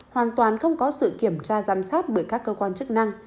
hoàn toàn không có sự kiểm tra giám sát bởi các cơ quan chức năng